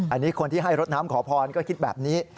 อันนี้คนที่ให้รถน้ำขอพรก็คิดแบบนี้